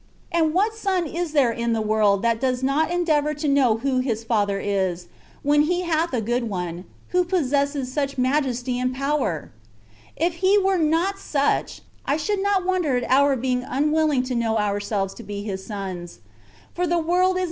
And what son is there in the world that does not endeavour to know who his father is, when he hath a good one, who pos sesses such majesty and power ? If He were not such, I should not wonder at our being unwilling to know ourselves to be His sons ; for the world is K 2 132 THE WAY OP PERFECTION.